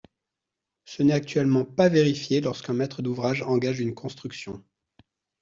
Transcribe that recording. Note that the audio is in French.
Ce n’est actuellement pas vérifié lorsqu’un maître d’ouvrage engage une construction.